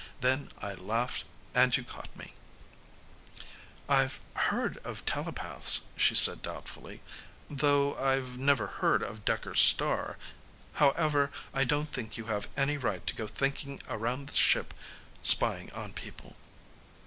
Then I laughed and you caught me." "I've heard of telepaths," she said doubtfully, "though I've never heard of Dekker's star. However, I don't think you have any right to go thinking around the ship spying on people."